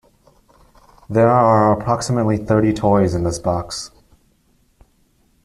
There are approximately thirty toys in this box.